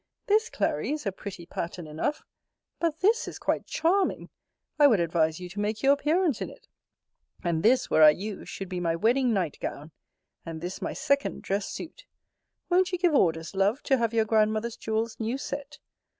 This, Clary, is a pretty pattern enough: but this is quite charming! I would advise you to make your appearance in it. And this, were I you, should be my wedding night gown And this my second dressed suit! Won't you give orders, love, to have your grandmother's jewels new set?